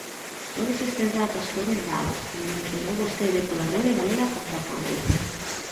Todos estes datos foron dados –como mencionou vostede– pola Rede Galega contra a Pobreza.